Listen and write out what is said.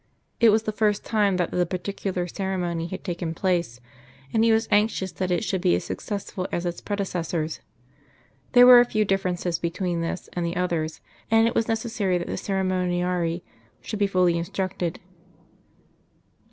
It was the first time that the particular ceremony had taken place, and he was anxious that it should be as successful as its predecessors. There were a few differences between this and the others, and it was necessary that the ceremoniarii should be fully instructed.